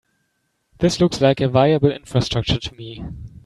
This looks like a viable infrastructure to me.